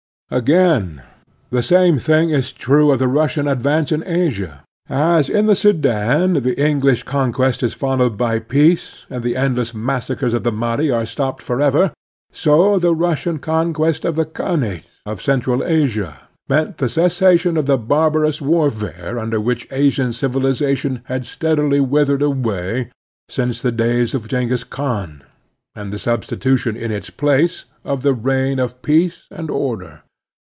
Again, the same thing is true of the Russian advance in Asia. As in the Sudan the English conquest is followed by peace, and the endless massacres of the Mahdi are stopped forever, so the Russian conquest of the khanates of central Asia meant the cessation of the barbarous warfare under which Asian civilization had steadily withered away since the days of Jenghiz Khan, and the substitution in its place of the reign of peace and order.